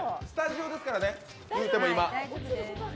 スタジオですからね、今。